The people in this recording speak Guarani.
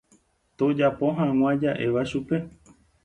tojapo hag̃ua ja'éva chupe.